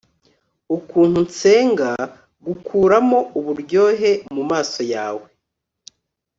ukuntu nsenga gukuramo uburyohe mumaso yawe